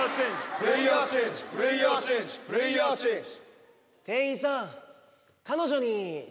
プレーヤーチェンジプレーヤーチェンジプレーヤーチェンジ。